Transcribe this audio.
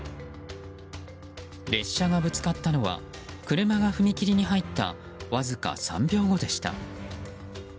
列車がぶつかったのは車が踏切に入ったわずか３秒後でした。